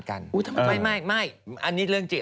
อันนี้เรื่องจริง